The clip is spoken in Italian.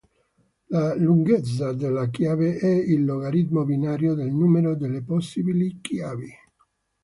La "lunghezza della chiave" è il logaritmo binario del numero delle possibili chiavi.